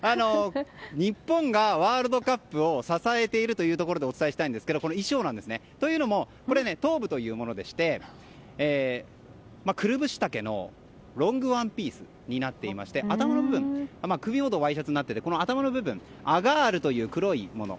日本がワールドカップを支えているというところでお伝えしたいんですがこの衣装なんですね。というのも、これはトーブというものでしてくるぶし丈のロングワンピースになっていまして首元はワイシャツになっていまして頭の部分のアガールという黒いもの。